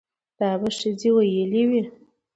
دا به ښځې ويلې وي